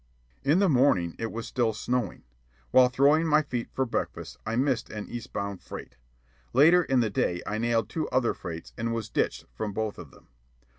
In the morning it was still snowing. While throwing my feet for breakfast, I missed an east bound freight. Later in the day I nailed two other freights and was ditched from both of them.